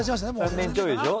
３年ちょいでしょ。